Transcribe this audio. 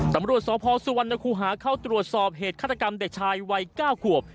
ตำรวจสพสุวรรณคูหาเข้าตรวจสอบเหตุฆาตกรรมเด็กชายวัย๙ขวบ